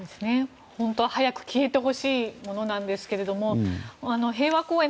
本当に早く消えてほしいものなんですが平和公園